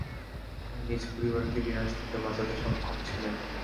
আর নিজ পরিবারকে বিনাশ থেকে বাঁচাতে সক্ষম ছিলেন।